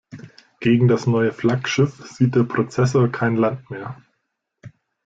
Gegen das neue Flaggschiff sieht der Prozessor kein Land mehr.